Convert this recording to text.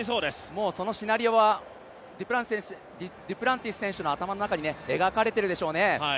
もうそのシナリオはデュプランティス選手の頭の中に描かれているでしょうね。